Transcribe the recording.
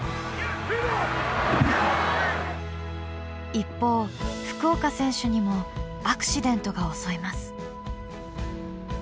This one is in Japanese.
一方福岡選手にもアクシデントが襲います。